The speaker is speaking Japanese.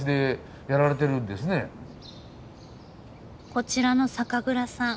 こちらの酒蔵さん